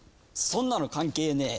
そんなの関係ねえ